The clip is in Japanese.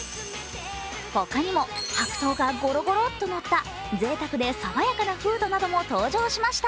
他にも白桃がごろごろっとのった、ぜいたくで爽やかなフードなども登場しました。